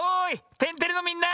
「天てれ」のみんな！